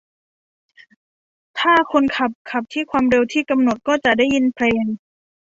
ถ้าคนขับขับที่ความเร็วที่กำหนด ก็จะได้ยินเพลง